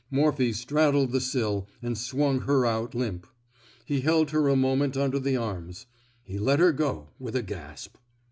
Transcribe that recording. Morphy straddled the sill and swung her out limp. He held her a moment under the arms. He let her go, with a gasp.